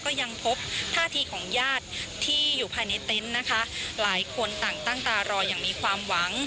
ก็ยังพบท่าทีของญาติที่อยู่ภายในเต็นต์นะคะหลายคนต่างตั้งตารออย่างมีความหวัง